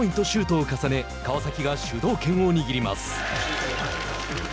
シュートを重ね川崎が主導権を握ります。